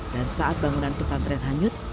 dan saat bangunan pesantren hanyut